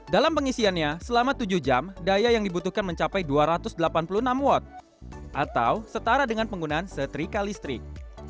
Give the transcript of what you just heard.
dalam pengisiannya selama tujuh jam daya yang dibutuhkan mencapai dua ratus delapan puluh enam watt atau setara dengan penggunaan setrika listrik